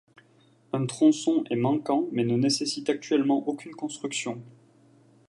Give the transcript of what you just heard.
Un tronçon est manquant mais ne nécessite actuellement aucune construction.